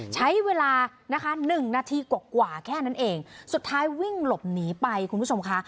ใช้เวลานะคะหนึ่งนาทีกว่ากว่าแค่นั้นเองสุดท้ายวิ่งหลบหนีไปคุณผู้ชมค่ะ